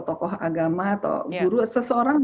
tokoh agama atau guru seseorang